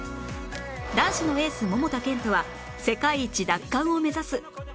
男子のエース桃田賢斗は世界一奪還を目指す